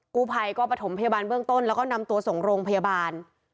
กู้ภัยก็ประถมพยาบาลเบื้องต้นแล้วก็นำตัวส่งโรงพยาบาล